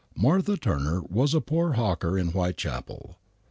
Martha Turner was a poor hawker in Whitechapel.